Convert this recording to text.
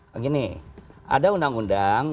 begini ada undang undang